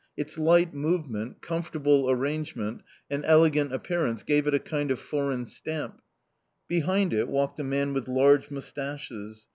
Its light movement, comfortable arrangement, and elegant appearance gave it a kind of foreign stamp. Behind it walked a man with large moustaches.